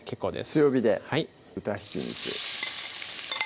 強火で豚ひき肉